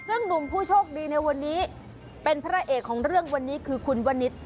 ซึ่งหนุ่มผู้โชคดีในวันนี้เป็นพระเอกของเรื่องวันนี้คือคุณวนิษฐ์